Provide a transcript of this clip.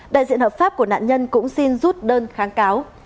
đại diện hợp pháp của nạn nhân cũng xin rút đơn kháng cáo